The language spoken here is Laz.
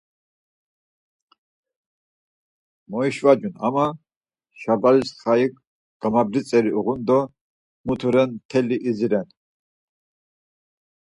Moişvacun ama, Şarvaliş xai gamabritzeri uğun do mutu ren mtelli idziren.